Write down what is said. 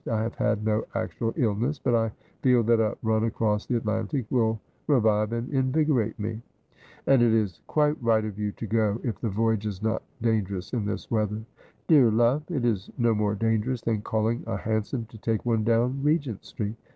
I have had no actual illness ; but I feel that a run across the Atlantic will revive and invigorate me.' ' And it is quite right of you to go, if the voyage is not dan gerous in this weather.' ' Dear love, it is no more dangerous than calling a hansom to take one down Regent Street.